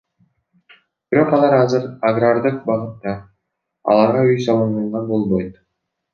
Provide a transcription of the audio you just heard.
Бирок алар азыр агрардык багытта, аларга үй салганга болбойт.